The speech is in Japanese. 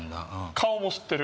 顔も知ってる